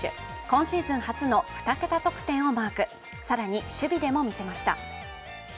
今シーズン初の２桁得点をマーク、更に守備でも見せました。